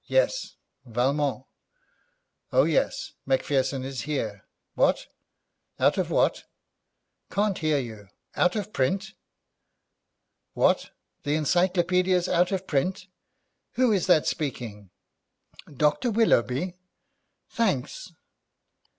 Yes. Valmont. Oh, yes; Macpherson is here. What? Out of what? Can't hear you. Out of print. What, the encyclopaedia's out of print? Who is that speaking? Dr. Willoughby; thanks.'